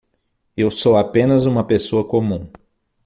Eu sou apenas uma pessoa comum